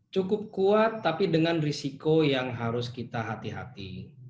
cukup kuat tapi dengan risiko yang harus kita hati hati